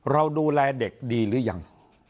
เราดูแลเด็กดีหรือยัง